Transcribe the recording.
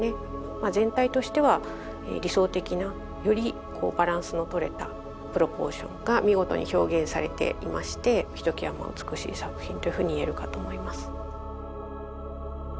まあ全体としては理想的なよりバランスの取れたプロポーションが見事に表現されていましてひときわ美しい作品というふうに言えるかと思います。